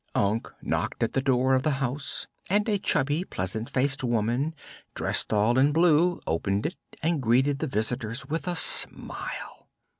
Unc knocked at the door of the house and a chubby, pleasant faced woman, dressed all in blue, opened it and greeted the visitors with a smile.